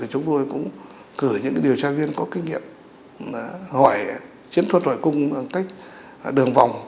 được chưa được chưa được chứ